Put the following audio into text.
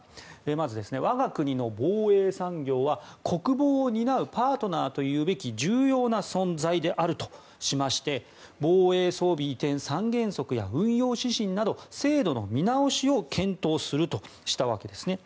まず、我が国の防衛産業は国防を担うパートナーというべき重要な存在であるとしまして防衛装備移転三原則や運用指針など制度の見直しを検討するとしたわけです。